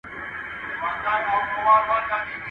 o څوری څه په نس څه په څنگ.